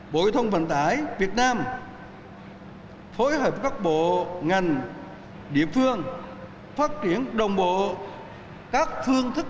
bộ y tông vận tài việt nam phối hợp các bộ ngành địa phương phát triển đồng bộ các phương thức